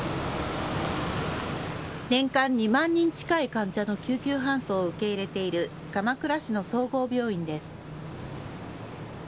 年間２万人近い患者の救急搬送を受け入れている鎌倉市の総合病院です。